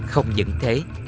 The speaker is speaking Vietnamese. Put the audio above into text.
không những thế